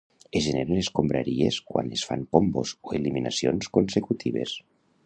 Es generen escombraries quan es fan combos o eliminacions consecutives.